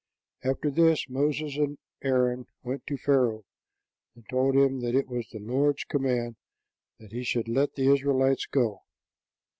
After this Moses and Aaron went to Pharaoh, and told him that it was the Lord's command that he should let the Israelites go.